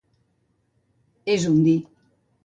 És un dir.